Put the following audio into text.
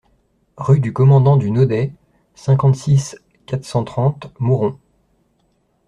Rue du Commandant du Noday, cinquante-six, quatre cent trente Mauron